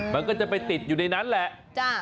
มันก็จะไปติดอยู่ในนั้นแหละ